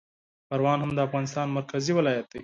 پروان هم د افغانستان مرکزي ولایت دی